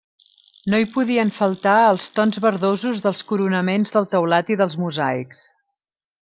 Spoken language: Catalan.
No hi podien faltar els tons verdosos dels coronaments del teulat i dels mosaics.